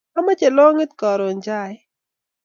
Amache longit karon chaik